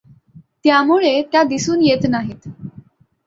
त्यामुळे त्या दिसून येत नाहीत.